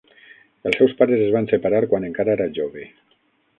Els seus pares es van separar quan encara era jove.